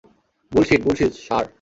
Bullshit bullshit ষাঁড়।